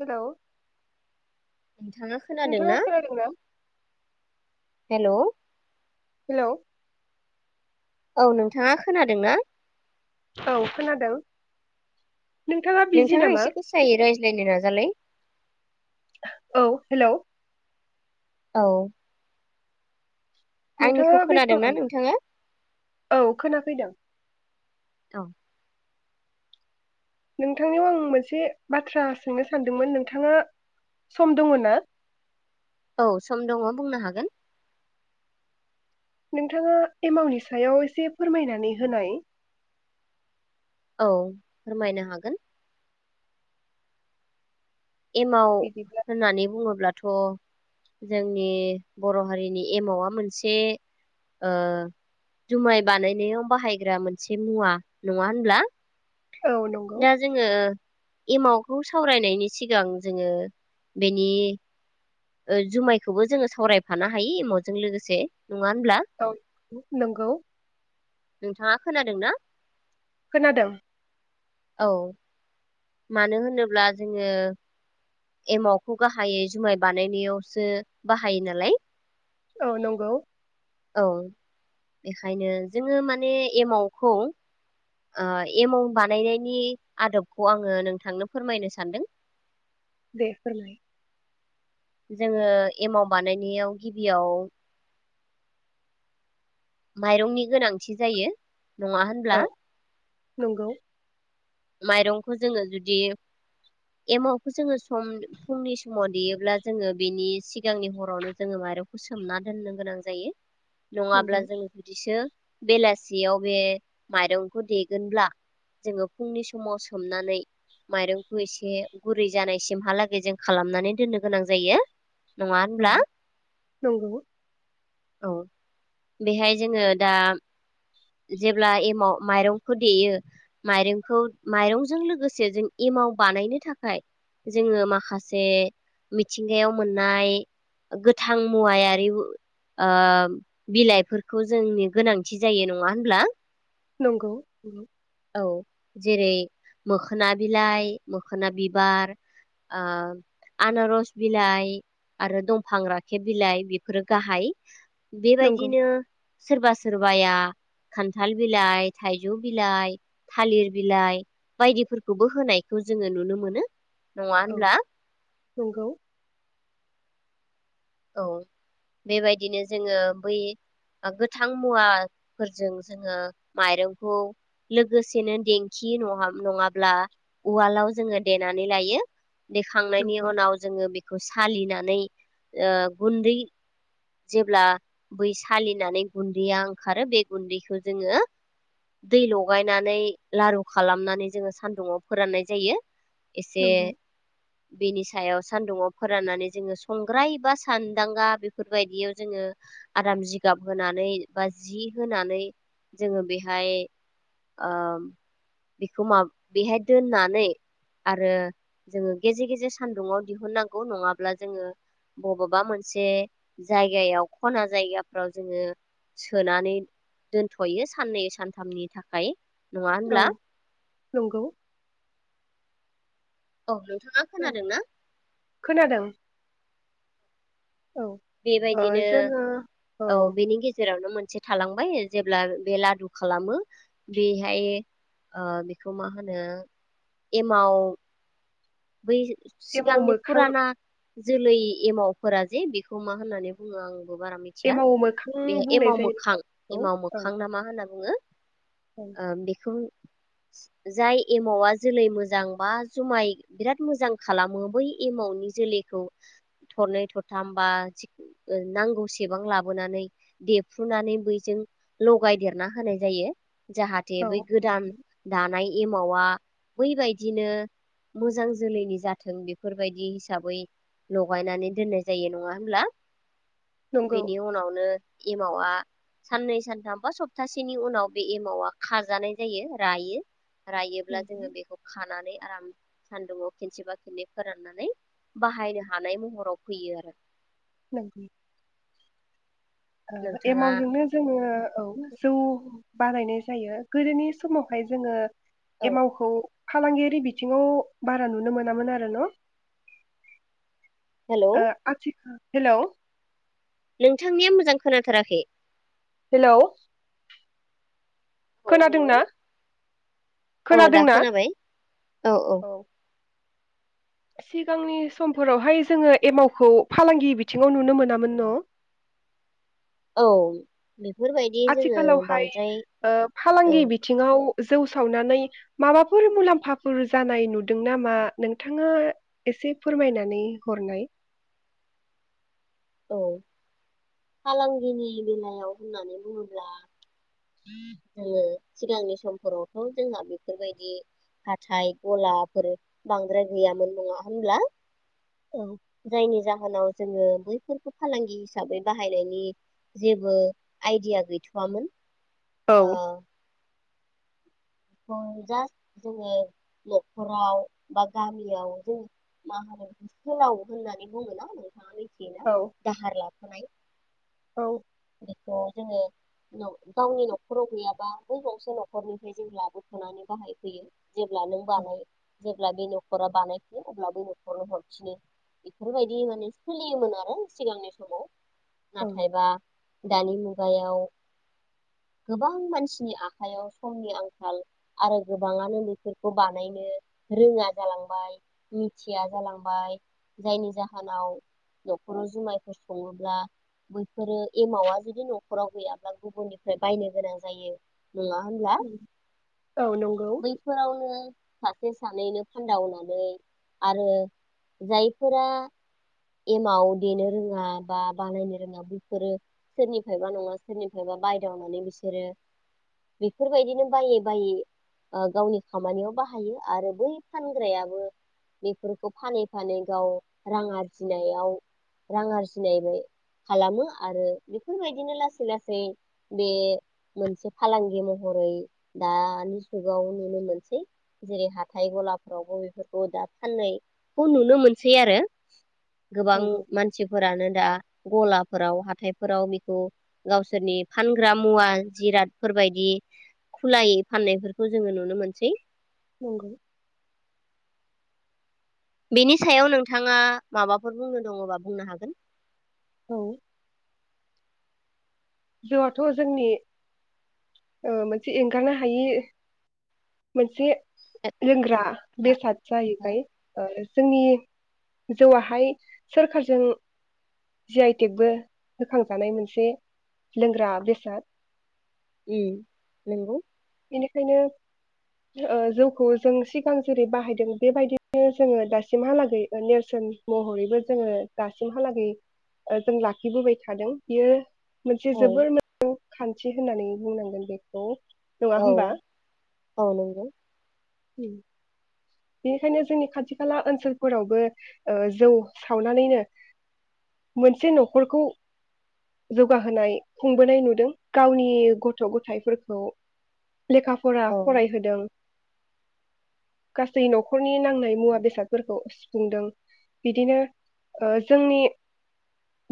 हेल' नोंथाङा खोनादों ना हेल' हेलौ औ नोंथाङा खोनादों ना? औ खोनादों। बिजि नोंथाङा नामा एसे गोसायै राय ज्लायनो नाजालाय। औ हेलौ औ आंनिखौ नोंथाङा बेस्थ' खोनादोंना नामा? नोंथाङा औ खोनाफैदों। औ नोंथांनियाव आं मोनसे बाथ्रा सोंनो सानदोंमोन नोंथाङा सम दङ ना? औ सम दङ बुंनो हागोन। नोंथाङा एमाउनि सायाव एसे फोरमायनानै होनाय? औ फोरमायनो हागोन। एमाव बिदिब्ला होननानै बुङोब्ला थ' जोंनि बर' हारिनि एमावआ मोनसे ओ जुमाय बानायनायाव बाहायग्रा मोनसे मुवा नङा होनब्ला? औ नंगौ दा जोङो एमावखौ सावरायनायनि सिगां जोङो बेनि जुमायखौबो जोङो सावरायफानो हायो एमावजों लोगोसे नङा होनब्ला? औ नंगौ नोंथांङा खोनादों ना? खोनादों। औ मानो होनोब्ला जोङो एमावखौ गाहायै जुमाय बानायनायावसो बाहायो नालाय। औ नंगौ औ बेखायनो जोङो माने एमावखौ ओ एमाउ बानायनायनि आदबखौ आङो नोंथांनो फोरमायनो सानदों। दे फोरमाय। जोङो एमाव बानायनायाव गिबियाव माइरंनि गोनांथि जायो। नङा औ होनब्ला? नंगौ माइरंखौ जोङो जुदि एमावखौ जोङो सम फुंनि समाव देयोब्ला जोङो बेनि सिगांनि हरावनो जोङो माइरंखौ सोमना दोननो गोनां जायो। नंगौ नङाब्ला जोङो बिदिसो बेलासियाव बे माइरंखौ देगोनब्ला जोङो फुंनि समाव सोमनानै माइरंखौ एसे गुरै जानायसिमहालागै जों खालामनानै दोननो गोनां जायो। नङा औ होनब्ला नंगौ। औ बेहाय जोङो दा जेब्ला एमाव माइरंखो देयो माइरंखौ माइरंजों लोगोसे जों एमाव बानायनो थाखाय जोङो माखासे मिथिंगायाव मोननाय गोथां मुवायारि ओ बिलाइफोरखौ जोंनि गोनांथि जायो नङा नङा होनब्ला? नांगौ औ जेरै मोखोना बिलाइ मोखोना बिबार ओ आनारस बिलाइ आरो दंफां राखेब बिलाइ बेफोरो गाहाय। नंगौ बेबायदिनो सोरबा सोर बाया खान्थाल बिलाइ, थाइजौ बिलाइ, थालिर बिलाइ बायदिफोरखौबो होनायखौ जोङो नुनो मोनो। नङा औ होनब्ला नंगौ। औ बेबायदिनो जोङो बै गोथां मुवाफोरजों जोङो माइरंखौ लोगोसेनो देंखि नङाब्ला उवालाव जोङो देनानै लायो। देखांनायनि नंगौ उनाव जोङो बेखौ सालिना नै ओ गुन्दै जेब्ला बै सालिनानै गुन्दैया ओंखारो बे गुन्दैखौ जोङो दै लगायनानै लारु खालामनानै जोङो सानदुंआव फोराननाय जायो। एसे नंगौ बेनि सायाव सान्दुुंआव फोराननानै जोङो संग्राय बा सानदांगा बे बेफोरबायदियाव जोङो आराम जिगाब होनानै बा जि होनानै जोङो बेहाय ओ बेखौ मा-बेहाय दोननानै आरो जोङो गेजे गेजे सानदुंआव दिहुननांगौ नङाब्ला जोङो बबबा मोनसे जायगायाव खना जायगाफ्राव जोङो सोनानै दोनथ'यो साननै सानथामनि थाखाय। नङा होनब्ला नंगौ औ नंगौ औ नोंथाङा औ खोनादों ना? खोनादों औ ओ बेबायदिनो जोङो औ बेनि गेजेरावनो मोन से थालांबाय जेब्ला बे लादु खालामो बेहाय ओ बेखौ मा होनो एमाव बै एमाव सिगांनि मोखां फुराना जोलै एमावफोरा जे बेखौ मा होननानै बुङो आं बारा मिथिया एमाव मोखां बे बुंनाय एमाव जायो मोखां नामा एमाव बेखौ औ मोखां ना मा होनना बुङो ओ औ बेखौ जाय एमावा जोलै मोजां बा जुमाय बिराद मोजां खालामो बै एमावनि जोलैखौ थ'रनै थ'रथाम बा नांगौसेबां लाबोनानै देफ्रुनानै बैजों लगायदेरना होनाय जायो। जाहाथे औ बै गोदान दानाय एमावा बैबायदिनो मोजां जोलैनि जाथों बेफोरबायदि हिसाबै लगायनानै दोननाय जायो नङा होमब्ला। नंगौ बेनि उनावनो एमावा साननै सानथाम बा सप्तासेनि उनाव बे एमावा खाजानाय जायो रायो। रायोब्ला जोङो नंगौ बेखौ खानानै आराम सान्दुंङाव खनसेबा खननै फोराननानै बाहायनो हानाय महराव फैयो आरो। नंगौ ओ नोंथाङा एमावजोंनो जोङो औ जौ बारायनाय जायो गोदोनि समावहाय जोङो औ एमावखौ फालांगियारि बिथिङाव बारा नुनो मोनामोन आरो न? हेलौ ओ आथिखा हेलौ नोंथांनिया मोजां खोनाथाराखै हेलौ औ हेलौ खोनादोंना औ दा खोनादोंना? खोनाबाय औ सिगांनि समफोरावहाय जोङो एमावखौ फालांगि बिथिङाव नुनो मोनामोन न? औ बेफोरबायदि जोङो आथिखालावहाय बांद्राय ओ औ फालांगि बिथिङाव जौ सावनानै माबाफोर मुलाम्फाफोर जानाय नुदों नामा नोंथाङा एसे फोरमायनानै हरनाय? औ फालांगिनि बेलायाव होननानै बुङोब्ला जोङो सिगांनि समफोरावथ' जोंहा बेफोरबायदि हाथाइ गलाफोर बांद्राय गैयामोन नङा होमब्ला? औ जायनि जा होनाव जोङो बैफोरखौ फालांगि हिसाबै बाहायनायनि जेबो आइडिया गैथ'वामोन। औ औ जास जोङो न'खराव बा गामियाव जों मा होनो सोलाव होननानै बुङोन' नोंथाङा मि थियो ना दाहार ला थानाय औ बेखौ जोङो न' गावनि न'खराव गैयाबा बै गंसे न'खरनिफ्राय जों ला बुफुनानै बाहायफैयो। जेब्ला नों औ बानाय जेब्ला बे न'खरा बानायफिनो अब्ला बे न'खरनो हरफिनो बेफोरबायदि माने सोलियोमोन आरो सिगांनि समाव। नाथायबा दानि मुगायाव गोबां मानसिनि आखायाव समनि आंखाल आरो गोबाङानो बेफोरखौ बानायनो रोङा जालांबाय मिथिया जालांबाय जायनि जाहोनाव न'खराव जुमायफोर सङोब्ला बैफोरो एमावा जुदि न'खराव गैयाब्ला गुबुननिफ्राय बायनो गोनां जायो। नङा होमब्ला? औ नंगौ। नो सासे सानैनो फानदावनानै आरो जायफोरा एमाव देनो रोङा बा बानायनो रोङा बैफोरो सोरनिफ्रायबा नङा सोरनिफ्रायबा बायदावनानै बिसोरो बेफोरबायदिनो बायो। बायि ओ गावनि खामानियाव बाहायो आरो बै फानग्रायाबो बेफोरखौ फानै फानै गाव रां आरजिनायाव रां आरजिनायबो खालामो आरो बेफोरबायदिनो लासै लासै बे मोनसे फालांगि महरै दानि जुगाव नुनो मोनसै जेरै हाथाय गलाफोरावबो बेफोरखौ दा फाननायखौ नुनो मोनसै आरो गोबां नंगौ मानसिफोरानो दा गलाफोराव हाथायफोराव बेखौ गावसोरनि फानग्रा मुवा जिरादफोरबायदि खुलायै फाननायफोरखौ जोङो नुनो मोनसै। नोंगौ। बेनि सायाव नोंथाङा माबाफोर बुंनो दङबा बुंनो हागोन। औ जौआथ' जोंनि ओ मोनसे एंगारनो हायि मोनसे लोंग्रा बेसाद जाहैबाय। जोंनि जौआहाय सोरखारजों जि आइ टेक बो होखांजानाय मोनसे लोंग्रा बेसाद उम नंगौ बेनिखायनो ओ जौखौ जों सिगां जेरै बाहायदों बेबायदिनो जोङो दासिमहालागै नेरसोन महरैनो जोङो दासिमहालागै जों लाखिबोबाय थादों बियो मोनसे औ जोबोर [unintelligible] खान्थि होननानै बुंनांगोन बेखौ। नङा औ होमबा औ नोंगौ उम। बेनिखायनो जोंनि खाथि खाला ओनसोलफोरावबो जौ सावनानैनो मोनसे न'खरखौ जौगाहोनाय खुंबोनाय नुदों गावनि गथ' गथायफोरखौ। लेखा फरा औ फरायहोदों। गासै न'खरनि नांनाय मुवा बेसादफोरखौ सुफुंदों बिदिनो जोंनि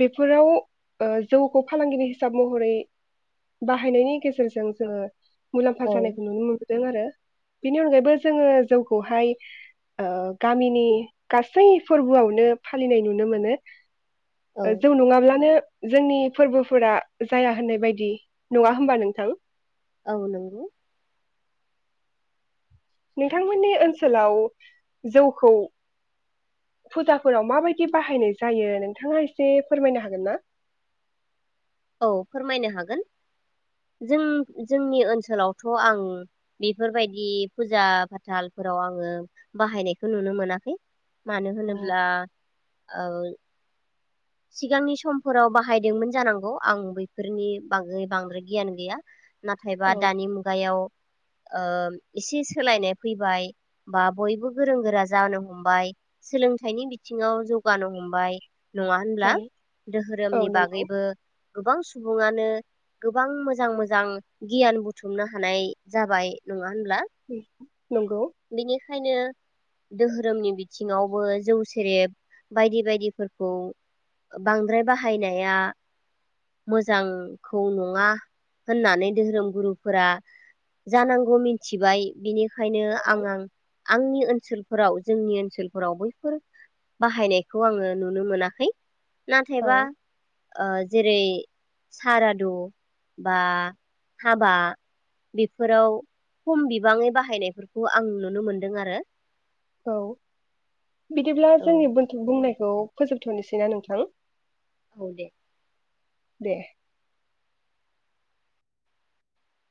बेफोराव जौखौ फालांगिरि हिसाब महरै बाहायनायनि गेजेरजों जोङो। मुलाम्फा औ जानायखौ नुनो मोनो। आरो बिनि अनगायैबो जोङो जौ खौहाय गामिनि गासै फोरबोआवनो फालिनाय नुनो मोनो। औ ओ जौ नङाब्लानो जोंनि फोरबोफोरा जाया होननाय बायदि नङा होमबा नोंथां? औ नंगौ नोंथांमोननि ओनसोलाव जौखौ फुजाफोराव माबायदि बाहायनाय जायो नोंथाङा एसे फोरमायनो हागोन ना? औ फोरमायनो हागोन जों जोंनि ओनसोलावथ' आं बेफोरबायदि फुजा फाथालफोराव आङो बाहायनायखौ नुनो मोनाखै। मानो औ होनोब्ला सिगांनि समफोराव बाहायदोंमोन जानांगौ। आं बैफोरनि बागै बांद्राय गियान गैया। नाथायबा औ दानि मुगायाव एसे सोलायनाय फैबाय बा बयबो गोरों गोरा जानो हमबाय सोलोंथाइनि बिथिङाव जौगानो हमबाय। नङा होनब्ला औ औ दोहोरोमनि नंगौ बागैबो गोबां सुबुङानो गोबां मोजां मोजां गियान बुथुमनो हानाय जाबाय नङा होनब्ला नंगौ। ओंखायनो दोहोरोमनि बिथिङावबो जौ सेरेब बायदि बायदिफोरखौ बांद्राय बाहायनाया मोजांखौ नङा होननानै धोरोम गुरुफोरा जानांगौ मिथिबाय बिनि ओंखायनो औ आं आं आंनि ओनसोलफोराव जोंनि ओनसोलफोराव बैफोर बाहायनायखौ आङो नुनो मोनाखै। औ नाथायबा जेरै सारादु बा हाबा बेफोराव खम बिबाङै बाहायनायफोरखौ आं नुनो मोनदों आरो। औ बिदिब्ला औ जोंनि बुंनाय खौ फोजोबथ'नोसैना नोंथां। औ दे। दे।